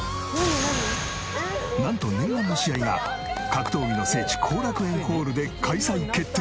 なんと念願の試合が格闘技の聖地後楽園ホールで開催決定！